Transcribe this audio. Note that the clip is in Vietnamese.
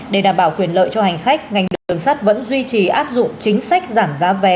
để đảm bảo quyền lợi cho hành khách ngành đường sắt vẫn duy trì áp dụng chính sách giảm giá vé